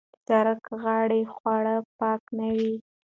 د سرک غاړې خواړه پاک نه وي.